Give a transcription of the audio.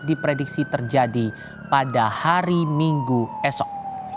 diprediksi terjadi pada hari minggu esok